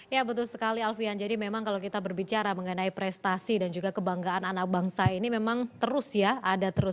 ya betul sekali alfian jadi memang kalau kita berbicara mengenai prestasi dan juga kebanggaan anak bangsa ini memang terus ya